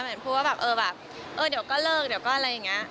มันพูดว่าแบบเออเดี๋ยวก็เลิกเดี๋ยวก็อะไรอย่างเงี้ย